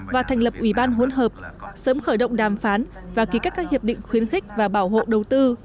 và thành lập ủy ban hỗn hợp sớm khởi động đàm phán và ký kết các hiệp định khuyến khích và bảo hộ đầu tư